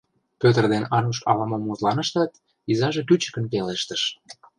Пӧтыр ден Ануш ала-мом мутланыштат, изаже кӱчыкын пелештыш: